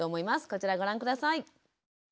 こちらご覧下さい。